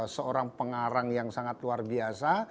seorang pengarang yang sangat luar biasa